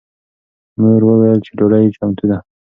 مور وویل چې ډوډۍ چمتو ده.